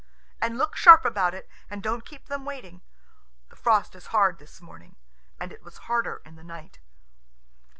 And look sharp about it, and don't keep them waiting. The frost is hard this morning, and it was harder in the night."